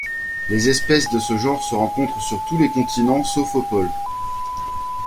Les espèces de ce genre se rencontrent sur tous les continents sauf aux pôles.